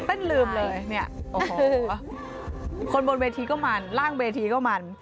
เป็นลืมเลยคนบนเวทีก็มันล่างเวทีก็มัน